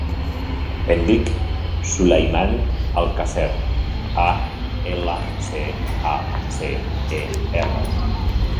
Em dic Sulaiman Alcacer: a, ela, ce, a, ce, e, erra.